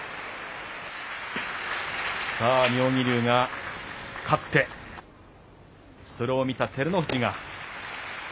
さあ、妙義龍が勝って、それを見た照ノ富士が。